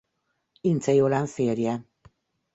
Incze Jolán férje.